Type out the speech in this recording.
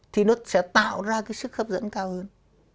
thì nó sẽ tạo ra cái sức hấp dẫn cao hơn